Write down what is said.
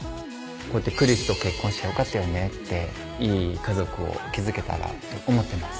こうやってクリスと結婚してよかったよねっていい家族を築けたらと思ってます